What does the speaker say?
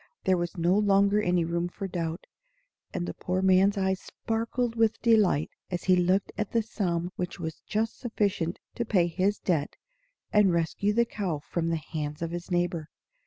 There was no longer any room for doubt; and the poor man's eyes sparkled with delight as he looked at the sum which was just sufficient to pay his debt and rescue the cow from the hands of his neighbor.